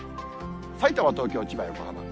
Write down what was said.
さいたま、東京、千葉、横浜。